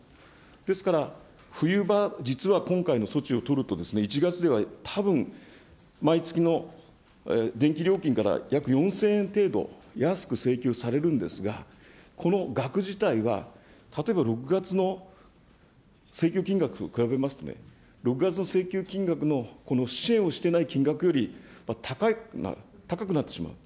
ですから、冬場、実は今回の措置を取ると、１月ではたぶん毎月の電気料金から約４０００円程度安く請求されるんですが、この額自体は、例えば６月の請求金額と比べますとね、６月の請求金額の、この支援をしていない金額より高くなってしまう。